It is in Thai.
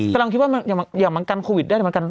กำลังคิดว่าอย่างมันกันโควิดได้เหมือนกัน